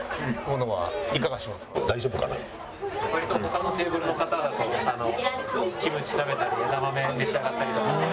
割と他のテーブルの方だとキムチ食べたり枝豆召し上がったりだとか。